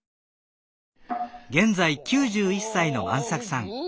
現在９１歳の万作さん。